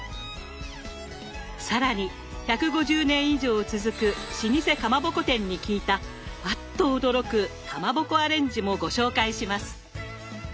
更に１５０年以上続く老舗かまぼこ店に聞いたあっと驚くかまぼこアレンジもご紹介します！